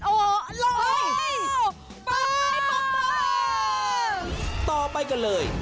โอ้โหเหลง